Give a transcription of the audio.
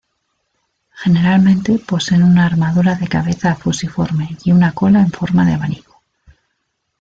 Generalmente poseen una armadura de cabeza fusiforme y una cola en forma de abanico.